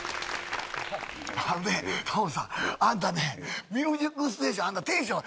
あのねタモさんあんたね「ミュージックステーション」あんたテンション